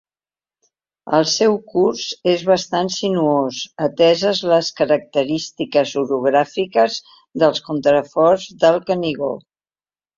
El seu curs és bastant sinuós, ateses les característiques orogràfiques dels contraforts del Canigó.